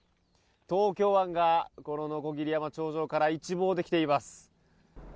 東京湾がこの鋸山頂上から一望できています。